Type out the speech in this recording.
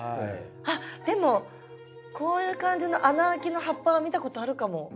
あっでもこういう感じの穴開きの葉っぱは見たことあるかも。